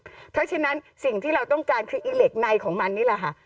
เพราะฉะนั้นสิ่งที่เราต้องการคืออีเหล็กในของมันนี่แหละค่ะ